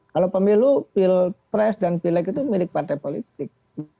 kalau pemilu pilpres dan pileg itu milik partai politik